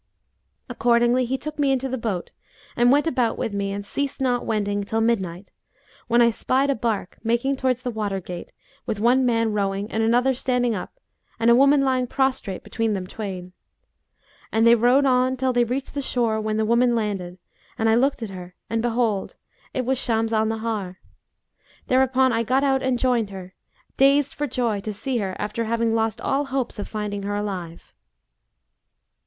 Accordingly he took me into the boat and went about with me and ceased not wending till midnight, when I spied a barque making towards the water gate, with one man rowing and another standing up and a woman lying prostrate between them twain. And they rowed on till they reached the shore when the woman landed, and I looked at her, and behold, it was Shams al Nahar. Thereupon I got out and joined her, dazed for joy to see her after having lost all hopes of finding her alive.'"